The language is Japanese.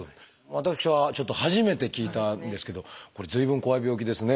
私はちょっと初めて聞いたんですけどこれ随分怖い病気ですね。